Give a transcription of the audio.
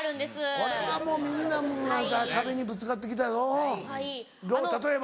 これはもうみんな壁にぶつかって来た例えば？